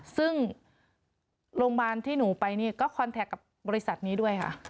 ซึ่งโรงพยาบาลที่หนูไปนี่ก็คอนแท็กกับบริษัทนี้ด้วยค่ะ